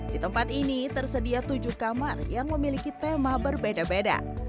di tempat ini tersedia tujuh kamar yang memiliki tema berbeda beda